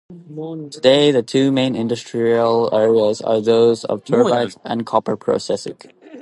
Today the two main industrial areas are those of turbines and copper processing.